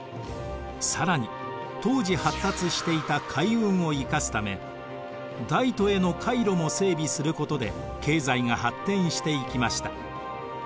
更に当時発達していた海運を生かすため大都への海路も整備することで経済が発展していきました。